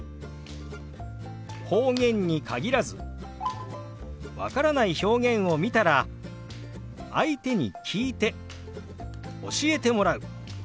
方言に限らず分からない表現を見たら相手に聞いて教えてもらう。